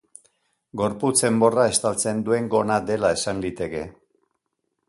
Gorputz-enborra estaltzen duen gona dela esan liteke.